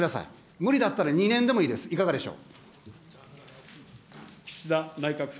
無理だったら２年でもいいんですよ、いかがでしょう。